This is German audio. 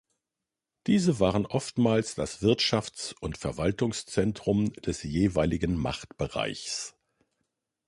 Diese waren oftmals das Wirtschafts- und Verwaltungszentrum des jeweiligen Machtbereichs.